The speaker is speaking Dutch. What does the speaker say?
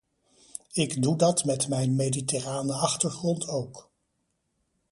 Ik doe dat met mijn mediterrane achtergrond ook.